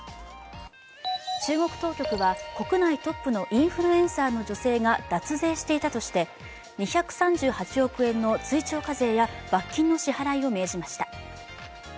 中国当局は国内トップのインフルエンサーの女性が脱税していたとして２３８億円の追徴課税や罰金の支払いを命じました。